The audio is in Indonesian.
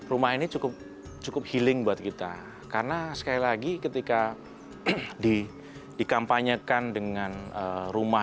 rumah ini cukup cukup healing buat kita karena sekali lagi ketika di dikampanyekan dengan rumah